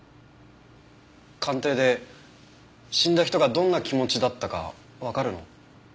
鑑定で死んだ人がどんな気持ちだったかわかるの？